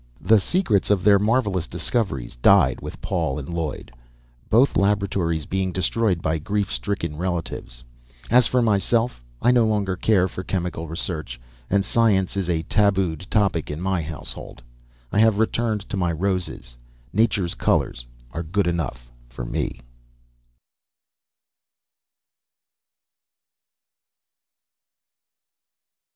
The secrets of their marvellous discoveries died with Paul and Lloyd, both laboratories being destroyed by grief stricken relatives. As for myself, I no longer care for chemical research, and science is a tabooed topic in my household. I have returned to my roses. Nature's colors are good enough for me.